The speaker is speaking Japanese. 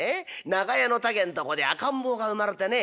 長屋の竹んとこで赤ん坊が生まれてね。